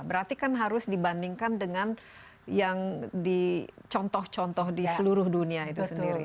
berarti kan harus dibandingkan dengan yang di contoh contoh di seluruh dunia itu sendiri